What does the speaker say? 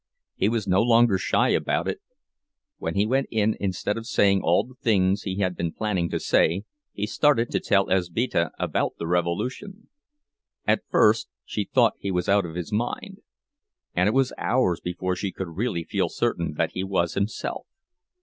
He was no longer shy about it—when he went in, instead of saying all the things he had been planning to say, he started to tell Elzbieta about the revolution! At first she thought he was out of his mind, and it was hours before she could really feel certain that he was himself.